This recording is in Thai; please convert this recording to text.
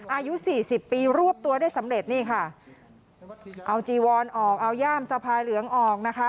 อายุสี่สิบปีรวบตัวได้สำเร็จนี่ค่ะเอาจีวอนออกเอาย่ามสะพายเหลืองออกนะคะ